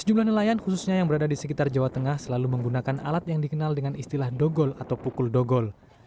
sejumlah nelayan khususnya yang berada di sekitar jawa tengah selalu menggunakan alat yang dikenal dengan istilah dogol atau pukul dogol